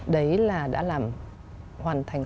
đấy là đã làm hoàn thành